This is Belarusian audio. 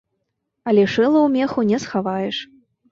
Але шыла ў меху не схаваеш.